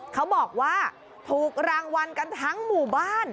เขาบอกว่าถูกรางวัลกันทั้งหมู่บ้าน